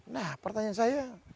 nah pertanyaan saya